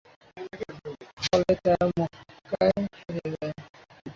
ফলে তারা মক্কায় ফিরে যায়।